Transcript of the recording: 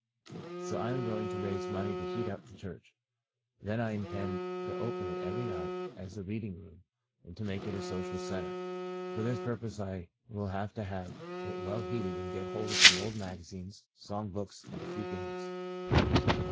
So I am going to raise money to heat up the church, then I intend to open it every night as a reading room and to make it a social centre. For this purpose I will have to have it well heated and get hold of some old magazines, song books and a few games.